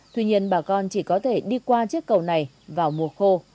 tuy nhiên bà con chỉ có thể đi qua chiếc cầu này vào mùa khô